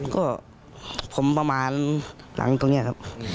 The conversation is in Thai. ก็ผมประมาณหลังตรงนี้ครับ